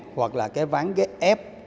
hoặc là cái ván ép